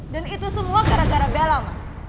dan itu semua gara gara bella mbak